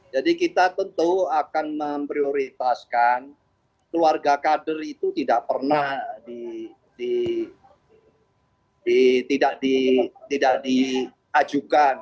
jadi kita tentu akan memprioritaskan keluarga kader itu tidak pernah di ajukan